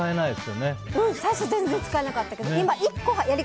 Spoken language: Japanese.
最初、全然使えなかったけど。